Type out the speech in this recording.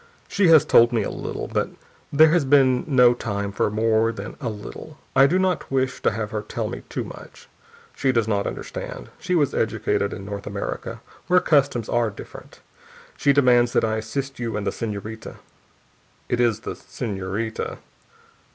"She has told me a little, but there has been no time for more than a little: I do not wish to have her tell me too much. She does not understand. She was educated in North America, where customs are different. She demands that I assist you and the senorita it is the senorita?"